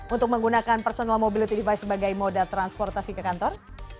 untuk menggunakan personal mobility device sebagai moda transportasi ke kantor